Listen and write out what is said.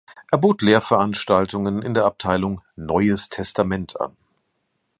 Er bot Lehrveranstaltungen in der Abteilung Neues Testament an.